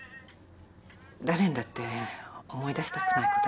誰にだって思い出したくない事あるわよ。